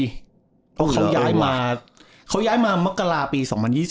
เพราะเขาย้ายมาเขาย้ายมามกราปี๒๐๒๐